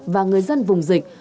và người dân vùng dịch